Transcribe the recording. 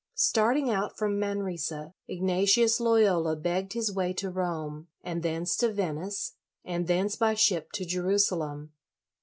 Starting out from Manresa, Ignatius Loyola begged his way to Rome, and thence to Venice, and thence by ship to Jerusalem.